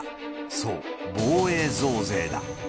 そう、防衛増税だ。